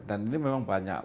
dan ini memang banyak